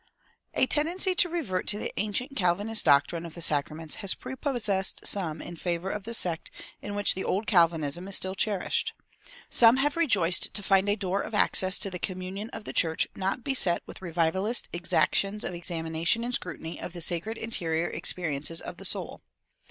A tendency to revert to the ancient Calvinist doctrine of the sacraments has prepossessed some in favor of that sect in which the old Calvinism is still cherished. Some have rejoiced to find a door of access to the communion of the church not beset with revivalist exactions of examination and scrutiny of the sacred interior experiences of the soul.